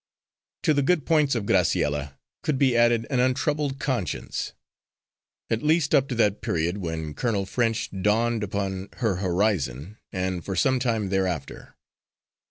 To the good points of Graciella, could be added an untroubled conscience, at least up to that period when Colonel French dawned upon her horizon, and for some time thereafter.